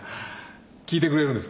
聞いてくれるんですか？